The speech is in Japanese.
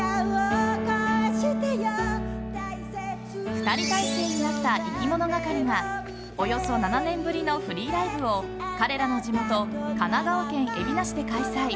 ２人体制になったいきものがかりがおよそ７年ぶりのフリーライブを彼らの地元神奈川県海老名市で開催。